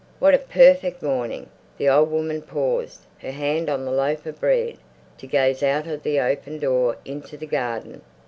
What a perfect morning!" The old woman paused, her hand on the loaf of bread, to gaze out of the open door into the garden.